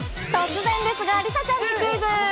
突然ですが、梨紗ちゃんにクイズ。